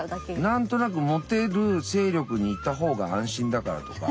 何となくモテる勢力にいた方が安心だからとか。